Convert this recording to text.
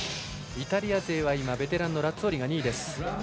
イタリア勢はベテランのラッツォーリが２位です。